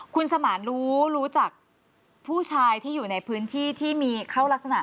คุณสมานรู้รู้จักผู้ชายที่อยู่ในพื้นที่ที่มีเข้ารักษณะ